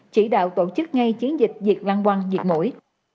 chỉ đạo tổ chức ngay chiến dịch diệt lăng quăng diệt mũi